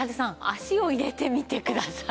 足を入れてみてください。